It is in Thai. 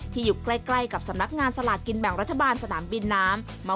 อยู่ใกล้กับสำนักงานสลากกินแบ่งรัฐบาลสนามบินน้ำ